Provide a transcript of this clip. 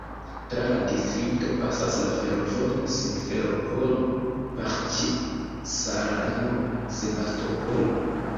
Tra la distrikto pasas la fervojo Simferopolo-Baĥĉisarajo-Sebastopolo.